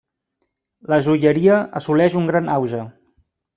La joieria assoleix un gran auge.